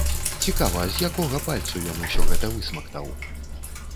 Цікава, з якога пальцу ён усё гэта высмактаў?